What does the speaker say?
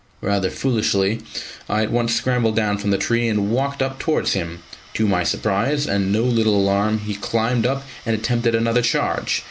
Rather foolishly, I at once scrambled down from the tree and walked up towards him. To my surprise and no little alarm he jumped up and attempted another charge.